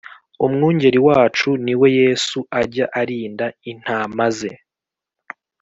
Umwungeri wacu niwe Yesu ajya arinda intama ze